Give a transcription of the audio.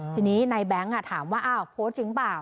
ทีนี้ในแบงค์ถามว่าอ้าวโพสต์จริงเปล่า